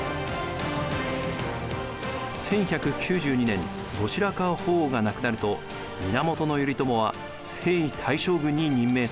１１９２年後白河法皇が亡くなると源頼朝は征夷大将軍に任命されます。